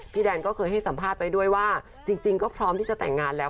แดนก็เคยให้สัมภาษณ์ไปด้วยว่าจริงก็พร้อมที่จะแต่งงานแล้ว